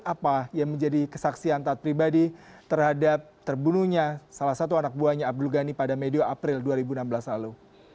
apa yang menjadi kesaksian taat pribadi terhadap terbunuhnya salah satu anak buahnya abdul ghani pada medio april dua ribu enam belas lalu